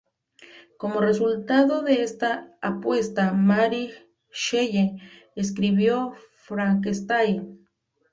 Como resultado de esta apuesta, Mary Shelley escribió Frankenstein.